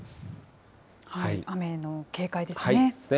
雨の警戒ですね。